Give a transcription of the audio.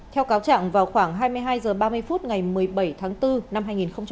theo cáo trạng vào khoảng hai mươi hai h ba mươi phút ngày một mươi bảy tháng bốn năm hai nghìn hai mươi